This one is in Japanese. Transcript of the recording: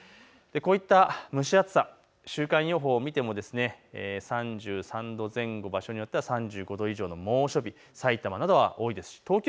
こういった蒸し暑さ、週間予報を見ても３３度前後、場所によっては３５度以上の猛暑日さいたまなどは多いです。